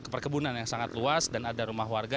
ke perkebunan yang sangat luas dan ada rumah warga